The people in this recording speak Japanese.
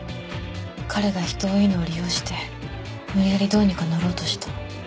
彼が人がいいのを利用して無理やりどうにかなろうとした。